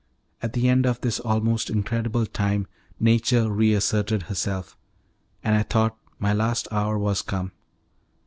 At the end of this almost incredible time nature re asserted herself, and I thought my last hour was come.